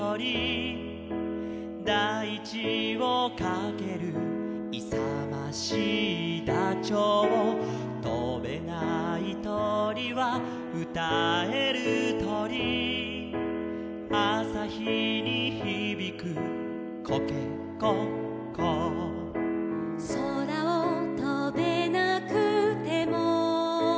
「だいちをかける」「いさましいダチョウ」「とべないとりはうたえるとり」「あさひにひびくコケコッコー」「そらをとべなくても」